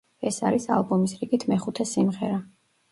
ეს არის ალბომის რიგით მეხუთე სიმღერა.